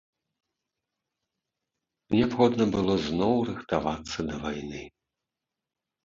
Неабходна было зноў рыхтавацца да вайны.